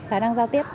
phải đang giao tiếp